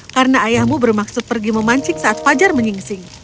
karena ayahmu bermaksud pergi memancing saat pajar menyingsing